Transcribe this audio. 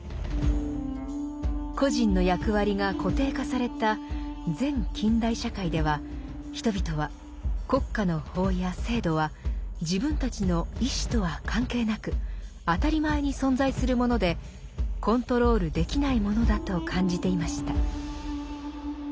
個人の役割が固定化された前近代社会では人々は国家の法や制度は自分たちの意志とは関係なく当たり前に存在するものでコントロールできないものだと感じていました。